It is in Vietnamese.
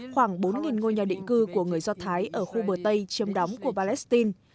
khoảng bốn ngôi nhà định cư của người do thái ở khu bờ tây chiếm đóng của palestine